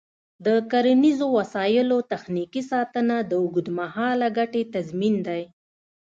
د کرنیزو وسایلو تخنیکي ساتنه د اوږدمهاله ګټې تضمین دی.